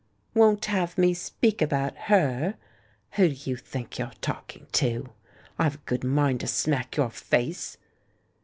'Won't have me speak about her'? Who do you think you're talking to? I've a good mind to smack your face!"